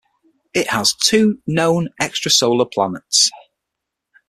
It has two known extrasolar planets.